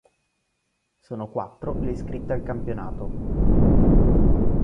Sono quattro le iscritte al campionato.